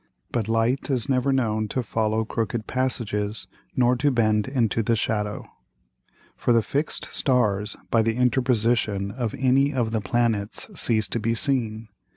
But Light is never known to follow crooked Passages nor to bend into the Shadow. For the fix'd Stars by the Interposition of any of the Planets cease to be seen.